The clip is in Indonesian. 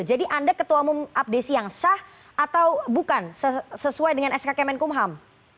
jadi anda ketua umum abdesi yang sah atau bukan sesuai dengan sk kemenkumham